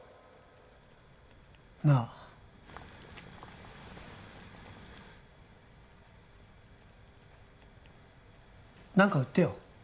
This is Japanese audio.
なあ何か売ってよ